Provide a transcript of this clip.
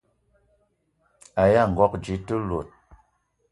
Aya ngogo dze te lot?